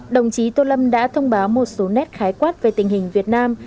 đồng chí tô lâm đã thông báo một số nét khái quát về tình hình việt nam